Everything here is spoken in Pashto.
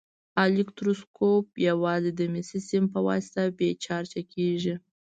الکتروسکوپ یوازې د مسي سیم په واسطه بې چارجه کیږي.